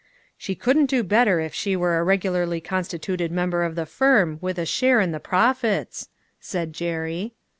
" She couldn't do better if she were a regu larly constituted member of the firm with a share in the profits," said Jerry.